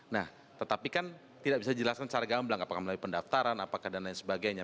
nah tetapi kan tidak bisa dijelaskan secara gamblang apakah melalui pendaftaran apakah dan lain sebagainya